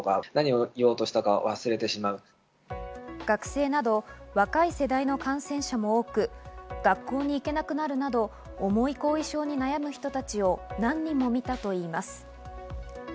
学生など若い世代の感染者も多く、学校に行けなくなるなど重い後遺症に悩む人たちを何人も見たといいます。